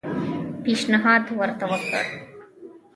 پېشنهاد ورته وکړ.